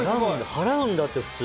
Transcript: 払うんだって普通。